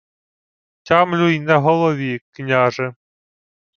— Тямлю й на голові, княже.